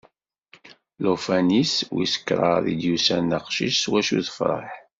Llufan-is wis kraḍ i d-yusan d aqcic s wacu tefreḥ.